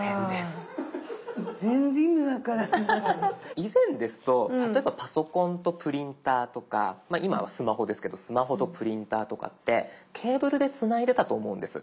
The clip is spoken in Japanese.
以前ですと例えばパソコンとプリンターとか今はスマホですけどスマホとプリンターとかってケーブルでつないでたと思うんです。